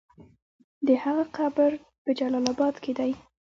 د هغه قبر په جلال اباد کې دی.